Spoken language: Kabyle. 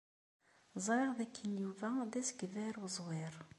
Ẓriɣ dakken Yuba d asegbar uẓwir.